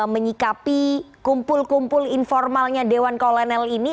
menyikapi kumpul kumpul informalnya dewan kolonel ini